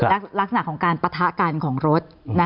ลักษณะของการปะทะกันของรถ